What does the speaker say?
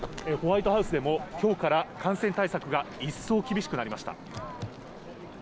ホワイトハウスでも、きょうから感染対策が一層厳しくなりました。